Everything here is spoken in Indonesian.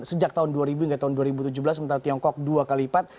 sejak tahun dua ribu hingga tahun dua ribu tujuh belas sementara tiongkok dua kali lipat